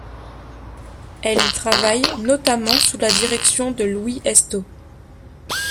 Elle y travaille notamment sous la direction de Louis Hestaux.